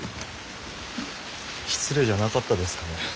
失礼じゃなかったですかね？